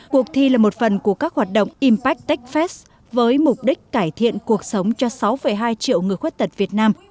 cuộc thi là một phần của các hoạt động impact tech fest với mục đích cải thiện cuộc sống cho sáu hai triệu người khuyết tật việt nam